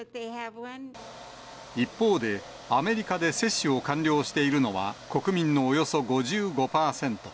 一方で、アメリカで接種を完了しているのは、国民のおよそ５５％。